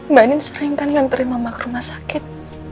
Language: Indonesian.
mbak andin sering kan yang terima makruma sakit